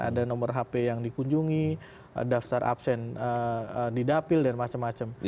ada nomor hp yang dikunjungi daftar absen di dapil dan macam macam